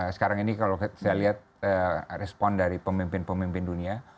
sekarang ini kalau saya lihat respon dari pemimpin pemimpin dunia